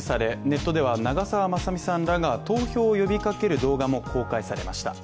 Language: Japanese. ネットでは長澤まさみさんらが投票を呼びかける動画も公開されました。